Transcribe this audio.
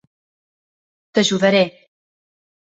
T'ajudaré.